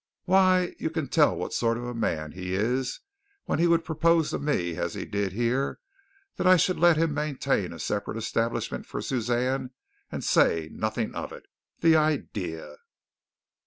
Why, you can tell what sort of a man he is when he would propose to me, as he did here, that I should let him maintain a separate establishment for Suzanne and say nothing of it. The idea!"